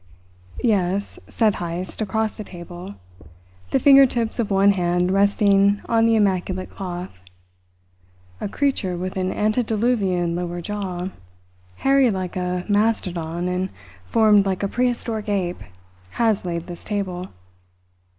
"Yes," said Heyst across the table, the fingertips of one hand resting on the immaculate cloth. "A creature with an antediluvian lower jaw, hairy like a mastodon, and formed like a pre historic ape, has laid this table.